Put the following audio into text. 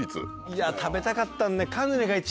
いや食べたかったんだよ。